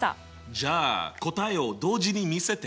じゃあ答えを同時に見せて。